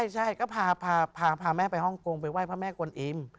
ใช่ก็พาแม่ไปฮ่องกงไปไห้พระแม่กวนอิ่ม